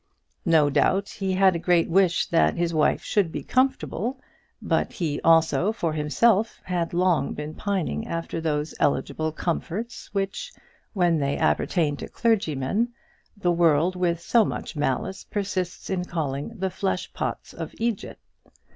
No doubt, he had a great wish that his wife should be comfortable; but he also, for himself, had long been pining after those eligible comforts, which when they appertain to clergymen, the world, with so much malice, persists in calling the flesh pots of Egypt.